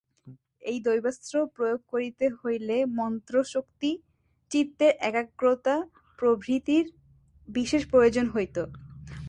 এই দৈবাস্ত্র প্রয়োগ করিতে হইলে মন্ত্রশক্তি, চিত্তের একাগ্রতা প্রভৃতির বিশেষ প্রয়োজন হইত।